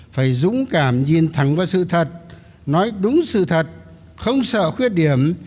phải dũng cảm nhìn thẳng vào sự thật nói đúng sự thật không sợ khuyết điểm